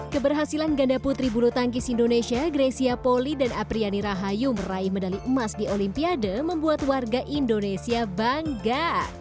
keberhasilan ganda putri bulu tangkis indonesia grecia poli dan apriani rahayu meraih medali emas di olimpiade membuat warga indonesia bangga